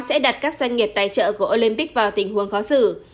sẽ đặt các doanh nghiệp tài trợ của olympic vào tình huống khó xử